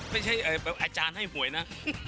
ไม่ใช่แบบอาจารย์ให้หวยนะ